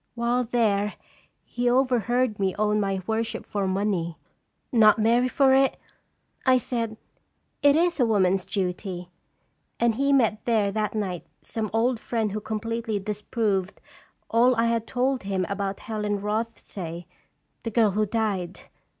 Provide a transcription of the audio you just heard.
While there, he overheard me own my worship for money. 'Not marry for it ?' I said. ' It is a woman's duty. 1 And he met there that night some old friend who completely disproved all I had told him about Helen Roth say, the girl who died.